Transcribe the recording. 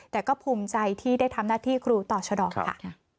แต่ก็ภูมิใจที่ได้ทำหน้าที่ครูต่อชะดอกค่ะ